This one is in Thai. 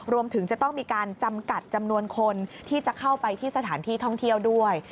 รวมถึงจะต้องมีการจำกัดจำนวนคนที่จะเข้าไปที่สถานที่ท่องเที่ยวด้วย